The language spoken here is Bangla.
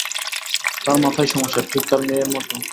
তার মাথায় সমস্যা, ঠিক তার মেয়ের মতো।